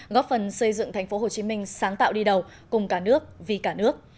góp phần xây dựng tp hcm sáng tạo đi đầu cùng cả nước vì cả nước